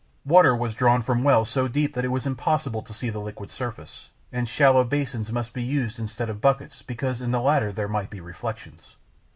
Water was drawn from wells so deep that it was impossible to see the liquid surface, and shallow basins must be used instead of buckets, because in the latter there might be reflections.